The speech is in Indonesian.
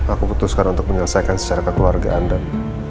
aku putuskan untuk menyelesaikan secara kekeluargaan dan